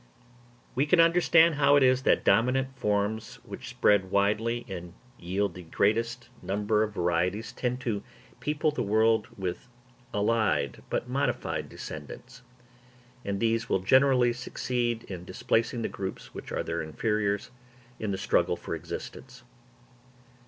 We can understand how it is that dominant forms which spread widely and yield the greatest number of varieties tend to people the world with allied, but modified, descendants; and these will generally succeed in displacing the groups which are their inferiors in the struggle for existence.